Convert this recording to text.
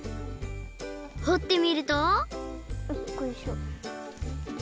ほってみるとよっこいしょ。